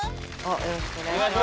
よろしくお願いします。